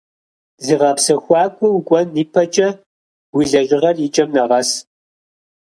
Зыгъэпсэхуакӏуэ укӏуэн и пэкӏэ, уи лэжьыгъэр и кӏэм нэгъэс.